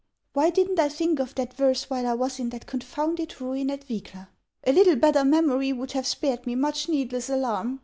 "Why did n't I think of that verse while I was in that con founded ruin at Vygla ? A little better memory would have spared me much needless alarm.